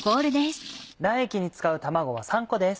卵液に使う卵は３個です。